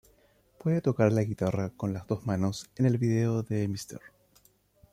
Puede tocar la guitarra con las dos manos, en el vídeo de Mr.